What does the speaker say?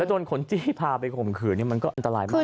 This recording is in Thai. และโดนขนจี้พาไปข่มขืนนี่มันก็อันตรายมากเลย